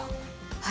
はい。